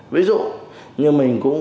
ví dụ như mình cũng